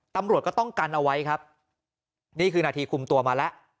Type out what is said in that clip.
ตำรวจก็ต้องกันเอาไว้ครับนี่คือนาทีคุมตัวมาแล้ว